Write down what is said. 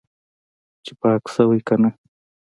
چې پاک شوی که نه.